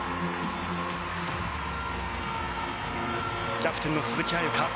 キャプテンの鈴木歩佳。